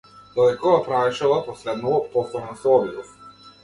Додека го правеше ова последново, повторно се обидов.